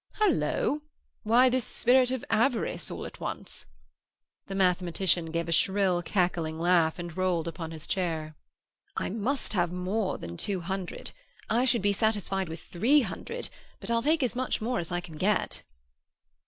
"Hollo! Why this spirit of avarice all at once?" The mathematician gave a shrill, cackling laugh, and rolled upon his chair. "I must have more than two hundred. I should be satisfied with three hundred, but I'll take as much more as I can get."